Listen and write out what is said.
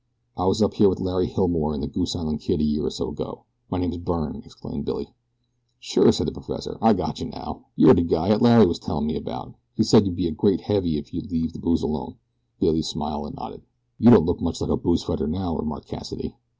"I was up here with Larry Hilmore and the Goose Island Kid a year or so ago my name's Byrne," exclaimed Billy. "Sure," said the professor; "I gotcha now. You're de guy 'at Larry was a tellin' me about. He said you'd be a great heavy if you'd leave de booze alone." Billy smiled and nodded. "You don't look much like a booze fighter now," remarked Cassidy.